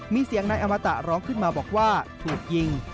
มีเสียงนายอมตะร้องขึ้นมาบอกว่าถูกยิง